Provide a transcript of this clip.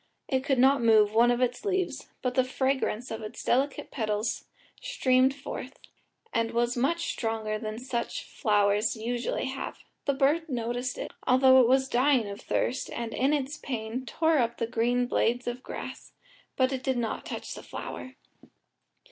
It could not move one of its leaves, but the fragrance of its delicate petals streamed forth, and was much stronger than such flowers usually have: the bird noticed it, although it was dying with thirst, and in its pain tore up the green blades of grass, but did not touch the flower.